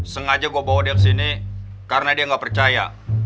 sengaja gua bawa dia kesini karena dia gak percaya